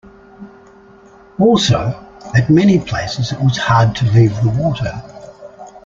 Also, at many places it was hard to leave the water.